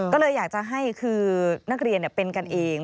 ก็เลยอยากจะให้คือนักเรียนเป็นกันเอง